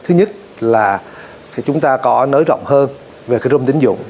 thứ nhất là chúng ta có nới rộng hơn về cái rung tín dụng